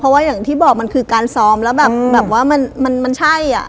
เพราะว่าอย่างที่บอกมันคือการซ้อมแล้วแบบว่ามันใช่อ่ะ